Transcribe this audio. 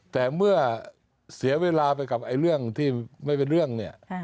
แต่เมื่อเสียเวลาไปกับเรื่องที่ไม่เป็นเรื่องเนี่ย